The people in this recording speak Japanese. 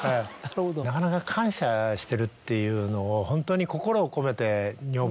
なかなか感謝してるっていうのをホントに。